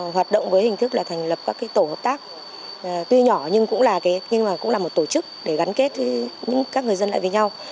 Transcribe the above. hoạt động với hình thức là thành lập các cái tổ hợp tác tuy nhỏ nhưng cũng là một tổ chức để gắn kết các người dân lại với nhau